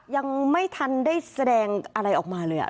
ยังไม่ทันได้แสดงอะไรออกมาเลย